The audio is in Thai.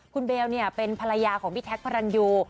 คุณเบลเป็นภรรยาของพี่แท็กพระรันยู